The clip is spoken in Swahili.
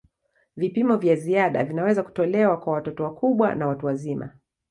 Vipimo vya ziada vinaweza kutolewa kwa watoto wakubwa na watu wazima.